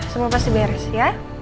semua pasti beres ya